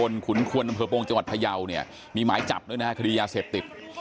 ขุนควนอำเภอปงจังหวัดพยาวเนี่ยมีหมายจับด้วยนะฮะคดียาเสพติด